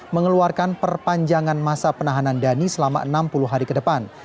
mengeluarkan perpanjangan masa penahanan dhani selama enam puluh hari ke depan